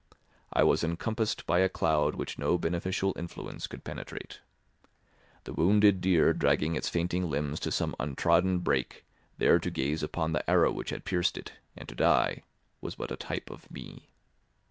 I was encompassed by a cloud which no beneficial influence could penetrate. The wounded deer dragging its fainting limbs to some untrodden brake, there to gaze upon the arrow which had pierced it, and to die, was but a type of me.